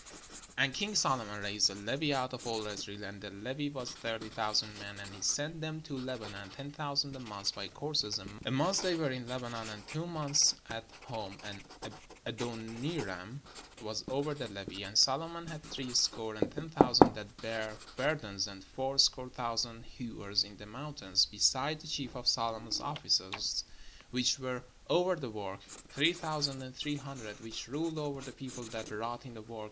And king Solomon raised a levy out of all Israel; and the levy was thirty thousand men. And he sent them to Lebanon, ten thousand a month by courses: a month they were in Lebanon, and two months at home: and Adoniram was over the levy. And Solomon had three score and ten thousand that bare burdens, and fourscore thousand hewers in the mountains; besides the chief of Solomon's oflficers which were over the work, three thou sand and three hundred, which ruled over the people that wrought in the work.